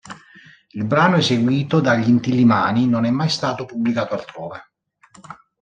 Il brano eseguito dagli Inti-Illimani non è mai stato pubblicato altrove.